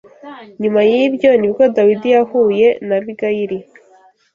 Nyuma y’ibyo, ni bwo Dawidi yahuye na Abigayili